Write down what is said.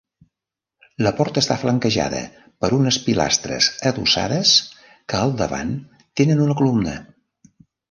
La porta està flanquejada per unes pilastres adossades que al davant tenen una columna.